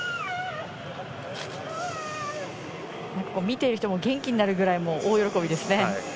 見ている人も元気になるぐらい大喜びですね。